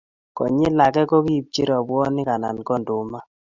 Konyil age kokiibchi robwonik anan ko ndumaa